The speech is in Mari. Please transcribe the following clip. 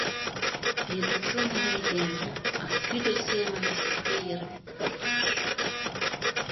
Вет ученый айдеме, а кӱдыр семын шопке йыр пӧрдеш.